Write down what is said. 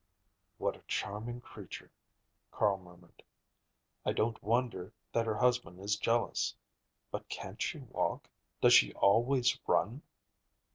"What a charming creature," Carl murmured. "I don't wonder that her husband is jealous. But can't she walk? does she always run?"